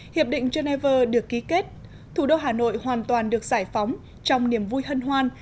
hiệp định geneva được ký kết thủ đô hà nội hoàn toàn được giải phóng trong niềm vui hân hoan